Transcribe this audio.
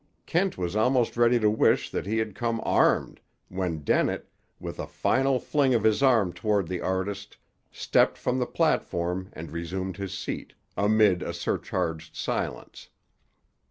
Kent was almost ready to wish that he had come armed, when Dennett, with a final fling of his arm toward the artist, stepped from the platform and resumed his seat, amid a surcharged silence.